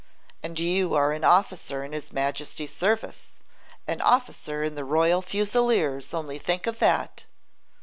And you are an officer in his Majesty's service, an officer in the Royal Fusiliers, only think of that!